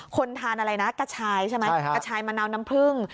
คนทานอะไรนะกระชายใช่ไหมกระชายมะนาวน้ำผึ้ง